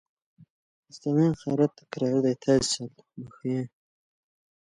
بند آوردن